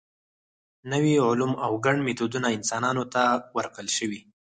نوي علوم او ګڼ میتودونه انسانانو ته ورکړل شوي.